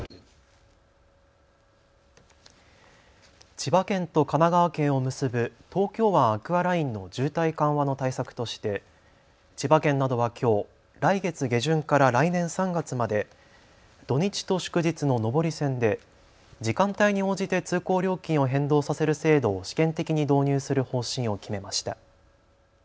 千葉県と神奈川県を結ぶ東京湾アクアラインの渋滞緩和の対策として千葉県などはきょう来月下旬から来年３月まで土日と祝日の上り線で時間帯に応じて通行料金を変動させる制度を試験的に導入する方針を決めました。